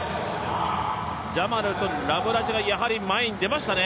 ジャマルとラムラジが前に出ましたね。